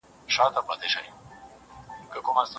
جاله هم سوله پر خپل لوري روانه